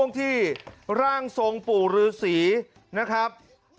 ช่วงที่ร่างทรงปู่รือศรีนะครับ